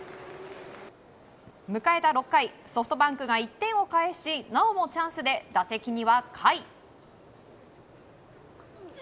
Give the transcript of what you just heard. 迎えた６回ソフトバンクが１点を返しなおもチャンスで打席には甲斐。